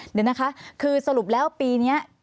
เดี๋ยวนะคะคือสรุปแล้วปีนี้